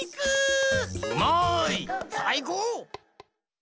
うまい！さいこう！